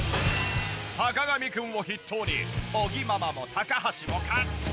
坂上くんを筆頭に尾木ママも高橋もカッチカチ！